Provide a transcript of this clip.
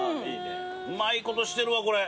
うまいことしてるわこれ。